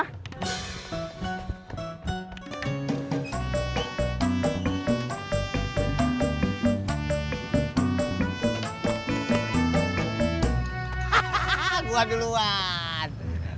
hahaha gua duluan